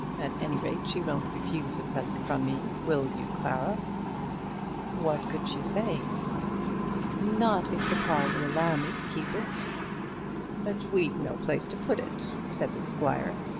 At any rate she won't refuse the present from me; will you, Clara?" What could she say? "Not if papa will allow me to keep it." "But we've no place to put it!" said the squire.